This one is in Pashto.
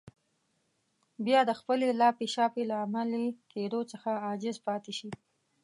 بيا د خپلې لاپې شاپې له عملي کېدو څخه عاجز پاتې شي.